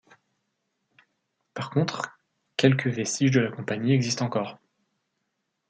Par contre, quelques vestiges de la compagnie existent encore.